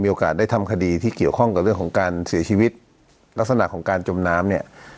ได้ทำคดีที่เกี่ยวข้องกับเรื่องของการเสียชีวิตลักษณะของการจมน้ำเนี่ย